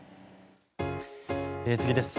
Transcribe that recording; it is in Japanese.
次です。